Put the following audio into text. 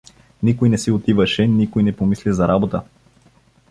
Никой не си отиваше, никой не помисли за работа.